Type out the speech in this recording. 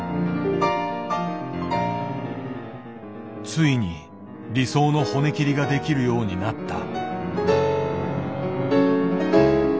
ついに理想の骨切りができるようになった。